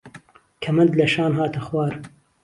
کهمهند لهشان هاته خوار